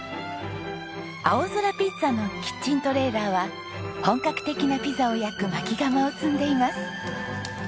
あおぞらピッツァのキッチントレーラーは本格的なピザを焼く薪窯を積んでいます。